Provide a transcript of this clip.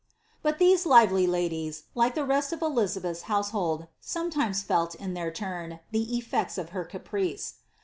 S51 But these lively ladies, like the rest of Elizabeth's household, some times felt, in their turn, the eflects of her caprice.